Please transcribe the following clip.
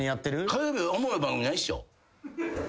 火曜日おもろい番組ないっしょ。